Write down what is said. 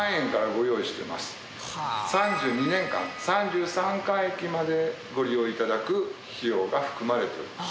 ３２年間三十三回忌までご利用頂く費用が含まれております。